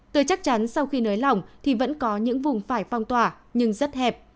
tôi chắc chắn sau khi nới lỏng thì vẫn có những vùng phải phong tỏa nhưng rất hẹp